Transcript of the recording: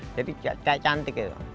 jadi tidak cantik itu